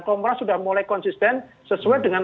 kongres sudah mulai konsisten sesuai dengan